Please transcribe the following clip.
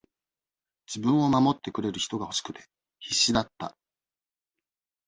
自分を守ってくれる人が欲しくて、必死だった。